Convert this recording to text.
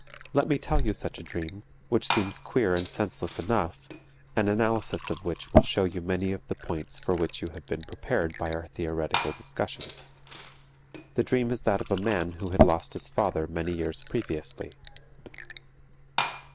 Let me tell you such a dream, which seems queer and senseless enough, and analysis of which will show you many of the points for which you have been prepared by our theoretical discussions. The dream is that of a man who had lost his father many years previously.